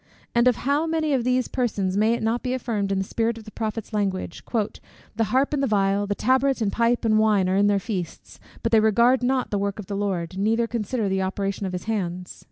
And of how many of these persons may it not be affirmed in the spirit of the prophet's language: "The harp, and the viol, the tabret and pipe, and wine, are in their feasts: but they regard not the work of the Lord, neither consider the operation of his hands?"